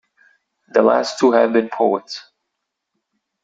The last two have been poets.